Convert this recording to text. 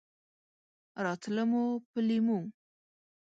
راتله مو په لېمو!